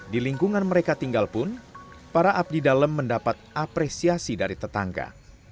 di lingkungan mereka tinggal pun para abdi dalam mendapat apresiasi dari tetangga